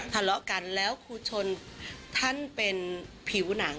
ทะเลาะกันแล้วครูชนท่านเป็นผิวหนัง